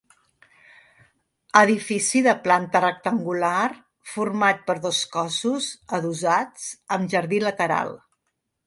Edifici de planta rectangular, format per dos cossos adossats, amb jardí lateral.